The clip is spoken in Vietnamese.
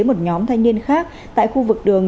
một nhóm thanh niên khác tại khu vực đường